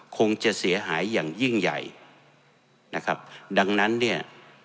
คงจะเสียหายอย่างยิ่งใหญ่นะครับดังนั้นเนี่ย